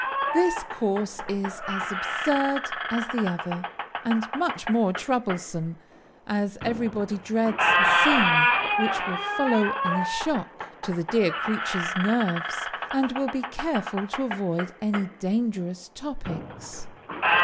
This course is as absurd as the other, and much more troublesome, as everybody dreads the scene which will follow any shock to the dear creature's nerves, and will be careful to avoid any dangerous topics.